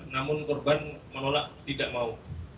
namun korban menolak tidak mau